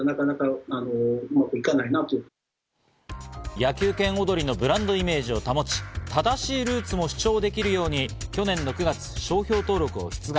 野球拳おどりのブランドイメージを保ち、正しいルーツも主張できるように、去年の９月、商標登録を出願。